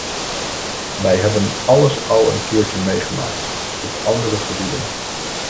Wij hebben alles al een keertje meegemaakt op andere gebieden.